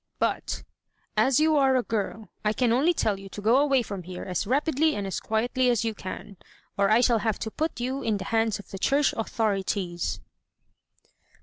But, as you are a girl, I can only tell you to go away from here as rapidly and as quietly as you can, or I shall have to put you in the hands of the church authorities!"